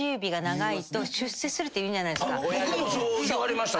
僕もそう言われました。